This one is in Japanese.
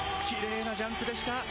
きれいなジャンプでした。